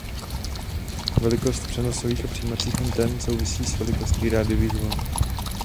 Velikost přenosových a přijímacích antén souvisí s velikostí rádiových vln.